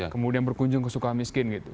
kemudian berkunjung ke sukhamiskin gitu